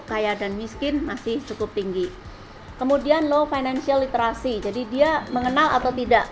kaya dan miskin masih cukup tinggi kemudian low financial literasi jadi dia mengenal atau tidak